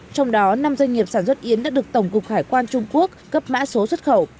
trong đó năm doanh nghiệp sản xuất yến đã được tổng cục hải quan trung quốc cấp mã số xuất khẩu